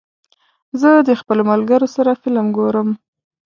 زه د خپلو ملګرو سره فلم ګورم.